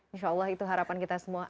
insya allah itu harapan kita semua